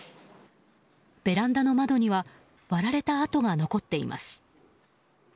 ベランダの窓には割られた跡が残っています。